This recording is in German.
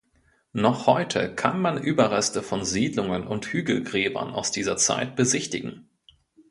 Noch heute kann man Überreste von Siedlungen und Hügelgräbern aus dieser Zeit besichtigen.